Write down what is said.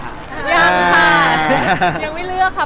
ยังค่ะยังไม่เลือกค่ะ